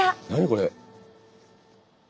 これ。